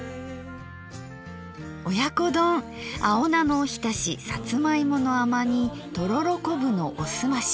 親子丼青菜のおひたしさつま芋の甘煮とろろこぶのおすまし。